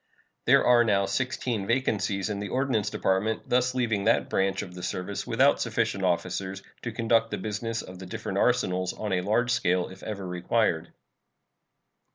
There are now sixteen vacancies in the Ordnance Department, thus leaving that branch of the service without sufficient officers to conduct the business of the different arsenals on a large scale if ever required.